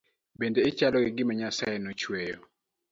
Bende i chal gi gima nyasaye no chweyo